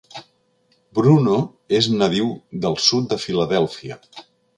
Bruno és nadiu del "sud de Filadèlfia".